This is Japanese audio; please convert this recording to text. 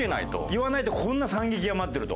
言わないとこんな惨劇が待ってると。